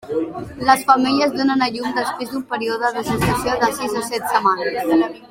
Les femelles donen a llum després d'un període de gestació de sis o set setmanes.